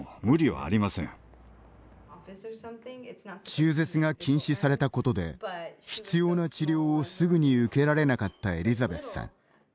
中絶が禁止されたことで必要な治療をすぐに受けられなかったエリザベスさん。